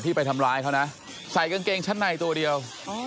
ไปทำร้ายเขานะใส่กางเกงชั้นในตัวเดียว